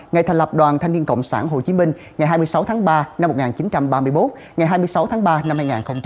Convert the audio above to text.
ngày thành lập đoàn thanh niên cộng sản hồ chí minh ngày hai mươi sáu tháng ba năm một nghìn chín trăm ba mươi một ngày hai mươi sáu tháng ba năm hai nghìn hai mươi